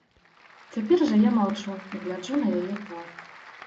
Цяпер жа я маўчу і гляджу на яе твар.